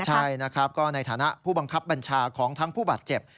ใช่นะครับก็ในฐานะผู้บังคับบัญชาของทั้งผู้บาดเจ็บ